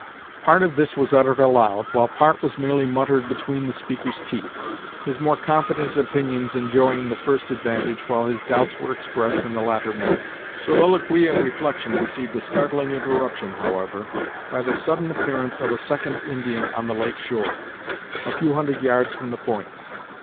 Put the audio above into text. Part of this was uttered aloud, while part was merely muttered between the speaker's teeth; his more confident opinions enjoying the first advantage, while his doubts were expressed in the latter mode. Soliloquy and reflection received a startling interruption, however, by the sudden appearance of a second Indian on the lake shore, a few hundred yards from the point.